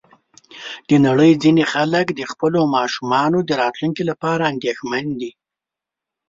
د نړۍ ځینې خلک د خپلو ماشومانو د راتلونکي لپاره اندېښمن دي.